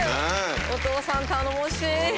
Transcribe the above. お父さん頼もしい！